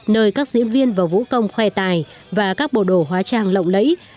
nơi các diễn viên và vũ công khoe tài và các bộ đồ hóa trang lộng lẫy